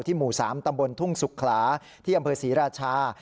หมู่๓ตำบลทุ่งสุขลาที่อำเภอศรีราชา